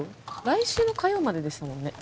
来週の火曜まででしたもんね